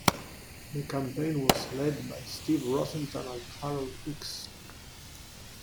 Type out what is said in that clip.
The campaign was led by Steve Rosenthal and Harold Ickes.